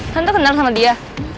tante kenal sama dia